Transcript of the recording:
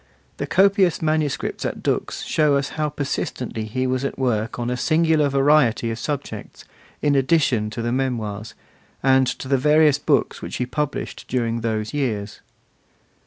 The copious manuscripts at Dux show us how persistently he was at work on a singular variety of subjects, in addition to the Memoirs, and to the various books which he published during those years.